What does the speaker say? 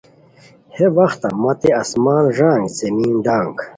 ہے وختہ متے آسمان ݱانگ زمین ڈانگ